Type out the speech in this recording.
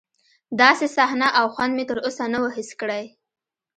داسې صحنه او خوند مې تر اوسه نه و حس کړی.